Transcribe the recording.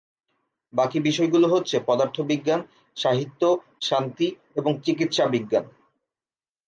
বাকি বিষয়গুলো হচ্ছে পদার্থবিজ্ঞান, সাহিত্য, শান্তি এবং চিকিৎসাবিজ্ঞান।